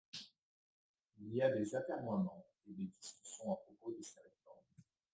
Il y a des atermoiements et des discussions à propos de ces réformes.